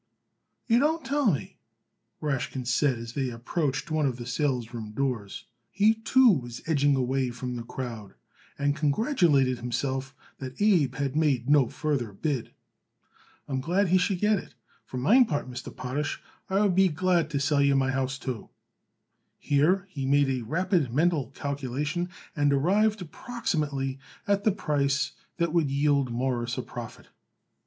"You don't tell me," Rashkin said as they approached one of the salesroom doors. He too was edging away from the crowd and congratulated himself that Abe had made no further bid. "I'm glad he should get it. For mein part, Mr. Potash, I would be glad to sell my house, too." Here he made a rapid mental calculation and arrived approximately at the price that would yield Morris a profit.